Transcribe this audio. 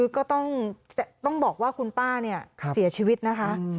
ก็ต้องบอกว่าคุณป้าเนี่ยเสียชีวิตนะคะ